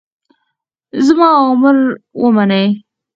زما اوامر ومنئ.